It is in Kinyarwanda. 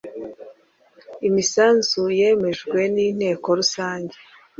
Imisanzu yemejwe n inteko rusange